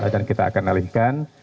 dan kita akan nalihkan